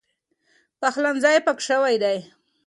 پخلنځی پاک شوی دی.